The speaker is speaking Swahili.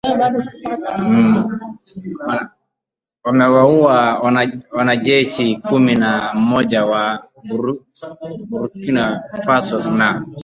wamewaua wanajeshi kumi na moja wa Burkina Faso na